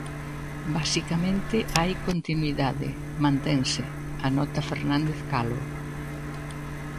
Basicamente hai continuidade, mantense, anota Fernández Calo.